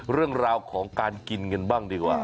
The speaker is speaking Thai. เรื่องราวของการกินกันบ้างดีกว่า